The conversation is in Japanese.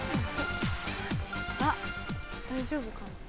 あっ大丈夫かな。